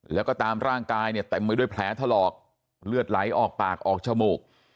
แล้วก็ตามร่างกายเนี่ยเต็มไปด้วยแผลถลอกเลือดไหลออกปากออกจมูก